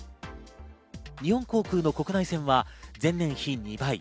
日本航空の国内線は前年比２倍。